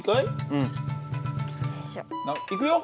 うん。いくよ。